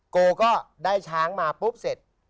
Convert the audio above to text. โกก็ได้ช้างมาปุ๊บเสร็จ